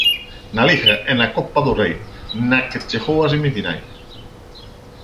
Na Liga e na Copa do Rei, na que chegou a semifinais.